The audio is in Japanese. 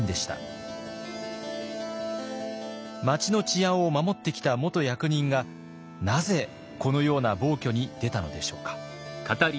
町の治安を守ってきた元役人がなぜこのような暴挙に出たのでしょうか。